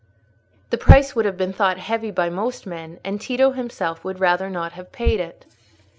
The price would have been thought heavy by most men; and Tito himself would rather not have paid it.